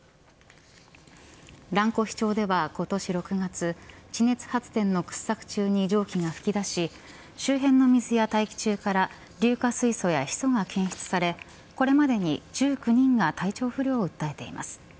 蘭越町では今年６月地熱発電の掘削中に蒸気が噴き出し周辺の水や大気中から硫化水素やヒ素が検出されこれまでに１９人が体調不良を訴えています。